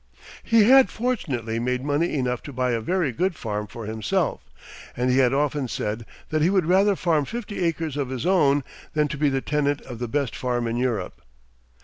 He had fortunately made money enough to buy a very good farm for himself, and he had often said that he would rather farm fifty acres of his own than to be the tenant of the best farm in Europe.